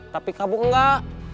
tapi kamu enggak